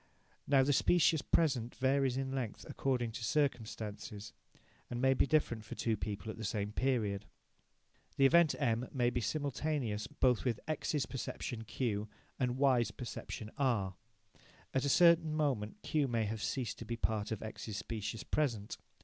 Now the "specious present" varies in length according to circumstances, and may be different for two people at the same period. The event M may be simultaneous both with X's perception Q and Y's perception R. At a certain moment Q may have ceased to be part of X's specious present.